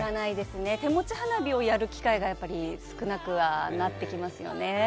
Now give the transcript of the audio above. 手持ち花火をやる機会が少なくはなってきますほね。